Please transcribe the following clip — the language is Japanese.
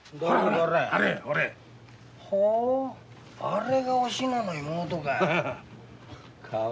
あれがおしのの妹か。